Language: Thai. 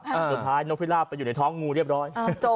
สุดท้ายนกพิราบไปอยู่ในท้องงูเรียบร้อย